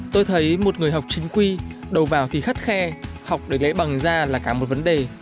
tôi thấy một người học chính quy đầu vào thì khắt khe học để lấy bằng ra là cả một vấn đề